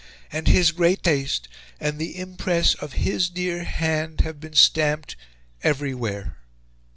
and his great taste, and the impress of his dear hand, have been stamped everywhere."